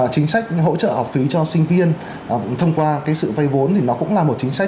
chính sách hỗ trợ học phí cho sinh viên thông qua cái sự vay vốn thì nó cũng là một chính sách